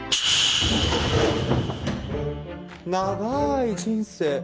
長い人生。